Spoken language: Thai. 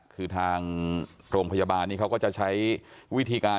คือทางโรงพยาบาลนี้เขาก็จะใช้วิธีการ